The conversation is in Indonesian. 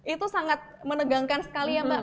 itu sangat menegangkan sekali ya mbak